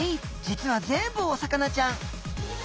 実は全部お魚ちゃん。